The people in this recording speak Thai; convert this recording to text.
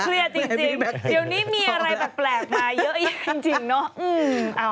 จริงเดี๋ยวนี้มีอะไรแปลกมาเยอะแยะจริงเนาะ